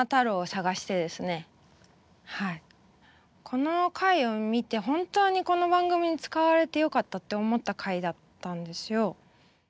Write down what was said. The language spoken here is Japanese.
この回を見て本当にこの番組に使われてよかったって思った回だったんですよ。